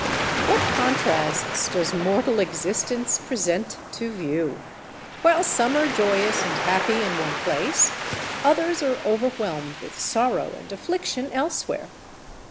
What contrasts does mortal existence present to view! While some are joyous and happy in one place, others are overwhelmed with sorrow and affliction elsewhere!